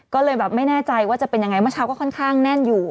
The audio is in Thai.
ก็เลยแบบไม่แน่ใจว่าจะเป็นยังไงเมื่อเช้าก็ค่อนข้างแน่นอยู่